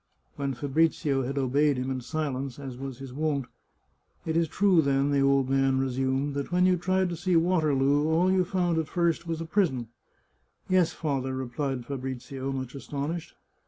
When Fabrizio had obeyed him in silence, as was his ^. 167 The Chartreuse of Parma wont, " It is true, then," the old man resumed, " that when you tried to see Waterloo, all you found at first was a prison ?"" Yes, father," replied Fabrizio, much astonished.